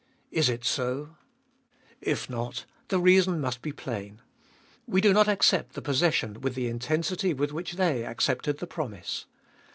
Is it so ? If not, the reason must be plain. We do not accept the possession with the intensity with which they accepted the promise.